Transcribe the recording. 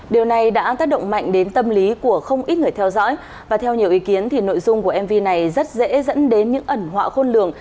điều này đã tác động mạnh đến tâm lý của không ít người theo dõi và theo nhiều ý kiến nội dung của mv này rất dễ dẫn đến những ẩn họa khôn lường